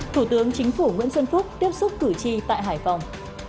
thủ tướng chính phủ nguyễn xuân phúc tiếp xúc cử tri tại hải phòng